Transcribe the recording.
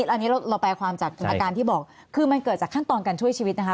อันนี้เราแปลความจากอาการที่บอกคือมันเกิดจากขั้นตอนการช่วยชีวิตนะคะ